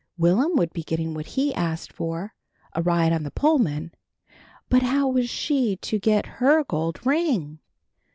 Will'm would be getting what he asked for, a ride on the Pullman, but how was she to get her gold ring?